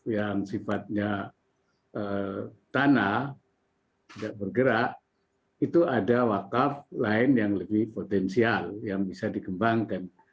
yang sifatnya tanah tidak bergerak itu ada wakaf lain yang lebih potensial yang bisa dikembangkan